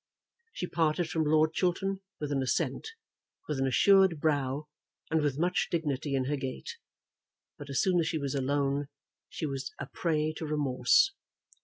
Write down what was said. She parted from Lord Chiltern with an assent, with an assured brow, and with much dignity in her gait; but as soon as she was alone she was a prey to remorse.